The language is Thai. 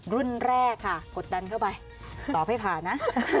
รุ่นแรกค่ะกดดันเข้าไปสอบให้ผ่านะ